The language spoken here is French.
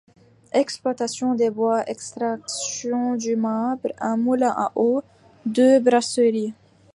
Exploitation des bois, extraction du marbre, un moulin à eau, deux brasseries.